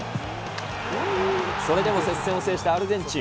それでも接戦を制したアルゼンチン。